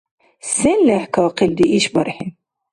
Сен лехӀкахъилри ишбархӀи?